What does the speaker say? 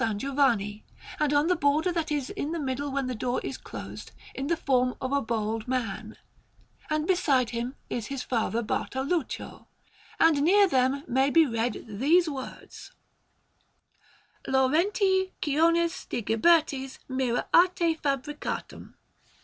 Giovanni, on the border that is in the middle when the door is closed, in the form of a bald man, and beside him is his father Bartoluccio; and near them may be read these words: LAURENTII CIONIS DE GHIBERTIS MIRA ARTE FABRICATUM.